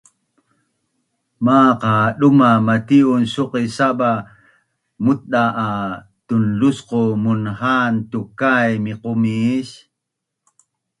Maaq a duma matiun suqis saba nutda’ a tunlusqu munhaan tukai miqumis